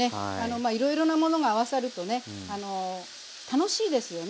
まあいろいろなものが合わさるとね楽しいですよね